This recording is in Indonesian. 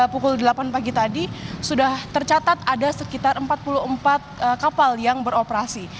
pukul delapan pagi tadi sudah tercatat ada sekitar empat puluh empat kapal yang beroperasi